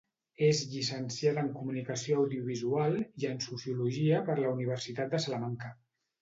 És llicenciada en Comunicació Audiovisual, i en Sociologia per la Universitat de Salamanca.